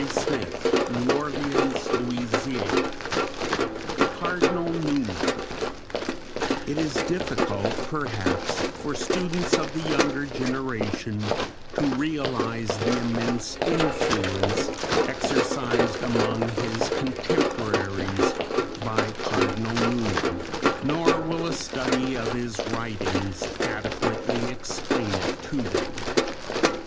From the portrait by Jane Fortescue, Lady Coleridge] It is difficult perhaps for students of the younger generation to realise the immense influence exercised among his contemporaries by Cardinal Newman, nor will a study of his writings adequately explain it to them.